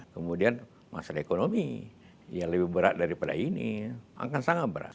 kemudian masalah ekonomi yang lebih berat daripada ini akan sangat berat